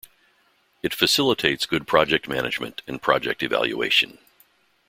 It facilitates good project management and project evaluation.